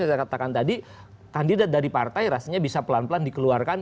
saya katakan tadi kandidat dari partai rasanya bisa pelan pelan dikeluarkan